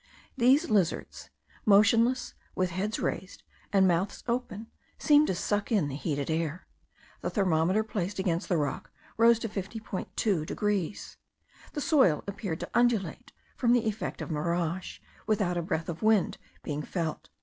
These lizards, motionless, with heads raised, and mouths open, seemed to suck in the heated air. The thermometer placed against the rock rose to 50.2 degrees. The soil appeared to undulate, from the effect of mirage, without a breath of wind being felt.